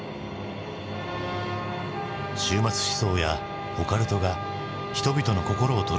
終末思想やオカルトが人々の心を捉えていた。